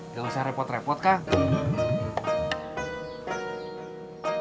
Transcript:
gak usah repot repot kang